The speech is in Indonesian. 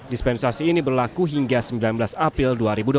dispensasi ini berlaku hingga sembilan belas april dua ribu dua puluh